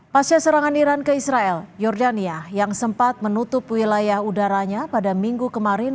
pasca serangan iran ke israel jordania yang sempat menutup wilayah udaranya pada minggu kemarin